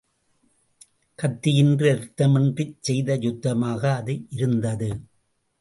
கத்தியின்றி இரத்தமின்றிச் செய்த யுத்தமாக அது இருந்தது.